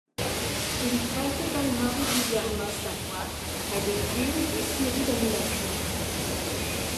Il prête également régulièrement sa voix à des films et séries d'animations.